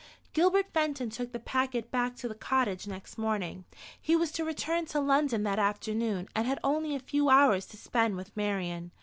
Gilbert Fenton took the packet back to the cottage next morning. He was to return to London that afternoon, and had only a few hours to spend with Marian.